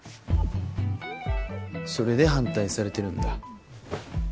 それで反対されてるんだ？